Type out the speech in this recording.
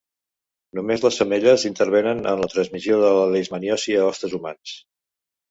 Només les femelles intervenen en la transmissió de la leishmaniosi a hostes humans.